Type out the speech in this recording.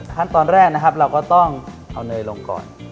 ขั้นตอนแรกนะครับเราก็ต้องเอาเนยลงก่อน